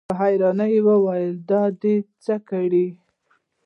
په حيرانۍ يې وويل: دا دې څه کړي؟